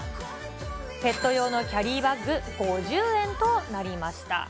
ペット用のキャリーバッグ５０円となりました。